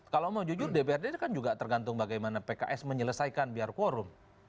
kalau mau jujur dprd kan juga tergantung bagaimana pks menyelesaikan biar quorum